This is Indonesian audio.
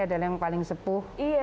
adalah yang paling sepuh